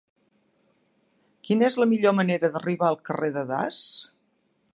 Quina és la millor manera d'arribar al carrer de Das?